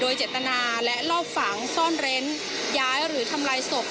โดยเจตนาและรอบฝังซ่อนเร้นย้ายหรือทำลายศพ